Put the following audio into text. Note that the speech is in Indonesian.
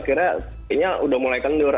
akhirnya udah mulai kendur